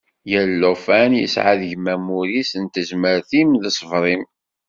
Yal lufan yesɛa deg-m amur-is n tezmert-im d ṣṣber-im.